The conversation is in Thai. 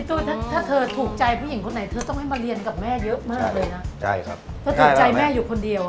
ถ้าถ้าเธอถูกใจผู้หญิงคนไหนเธอต้องให้มาเรียนกับแม่เยอะมากเลยนะใช่ครับเธอถูกใจแม่อยู่คนเดียว